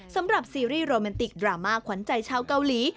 ซีรีส์โรแมนติกดราม่าขวัญใจชาวเกาหลี